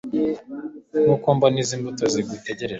nkuko mbona izi mbuto zigutegereje